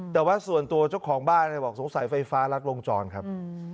แต่ว่าส่วนตัวเจ้าของบ้านบอกสงสัยไฟฟ้ารัดวงจรครับ